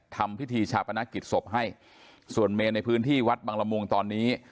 ทำพิธีชาปนกิจศพให้ส่วนเมนในพื้นที่วัดบังละมุงตอนนี้